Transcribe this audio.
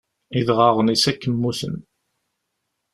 Idɣaɣen-is akk mmuten.